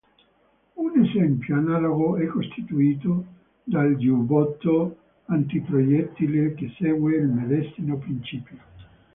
Un esempio analogo è costituito dal giubbotto antiproiettile che segue il medesimo principio.